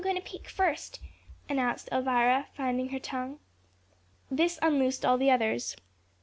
] "I'm goin' to peek first," announced Elvira, finding her tongue. This unloosed all the others.